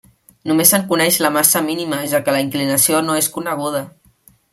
Només se'n coneix la massa mínima, ja que la inclinació no és coneguda.